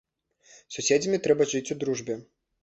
З суседзямі трэба жыць у дружбе.